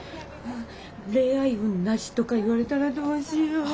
恋愛運なしとか言われたらどうしよう。